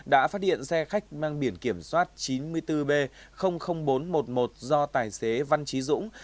đã phát hiện xe khách mang biển kiểm soát chín mươi bốn b bốn trăm một mươi một do tài xế văn trí dũng